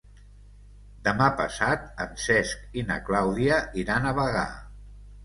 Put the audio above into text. Demà passat en Cesc i na Clàudia iran a Bagà.